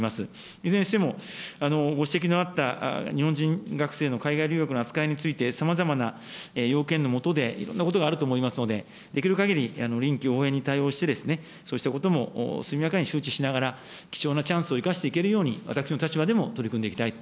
いずれにしても、ご指摘のあった日本人留学生の、海外留学の扱いについて、さまざまな要件のもとで、いろんなことがあると思いますので、できるかぎり臨機応変に対応して、そうしたことも速やかに周知しながら、貴重なチャンスを生かしていけるように、私どもの立場でも取り組んでいきたいと